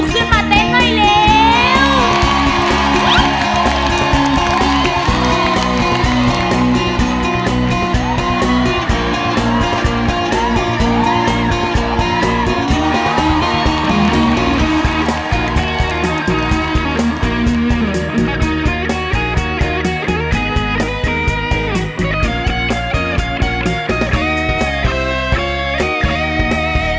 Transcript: ลุกขึ้นมาเต้นไว้เร็ว